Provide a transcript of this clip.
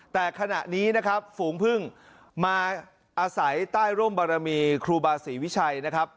แต่ขณะนี้นะครับฝูงพึ่งมาอาศัยใต้ร่มบารมีครูบาศรีวิชัยนะครับ